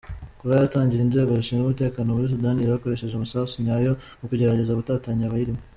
Kuva yatangira, inzego zishinzwe umutekano muri Sudani zakoresheje amasasu nyayo mu kugerageza gutatanya abayirimo.